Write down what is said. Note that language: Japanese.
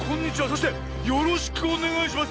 そしてよろしくおねがいします。